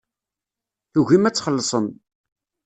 Tugim ad txellṣem.